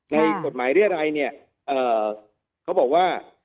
ในกฎหมายเรียรัยเนี่ยเขาบอกว่า